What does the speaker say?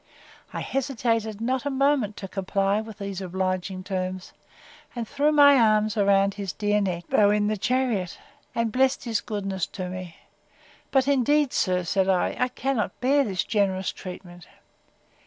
I hesitated not a moment to comply with these obliging terms, and threw my arms about his dear neck, though in the chariot, and blessed his goodness to me. But, indeed, sir, said I, I cannot bear this generous treatment!